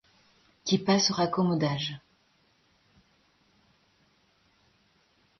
qui passe au raccommodage.